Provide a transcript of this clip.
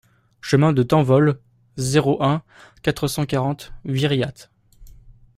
Chemin de Tanvol, zéro un, quatre cent quarante Viriat